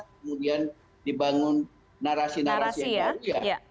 kemudian dibangun narasi narasi yang baru ya